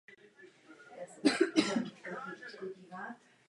Prováděli jsme inteligentní měnovou politiku.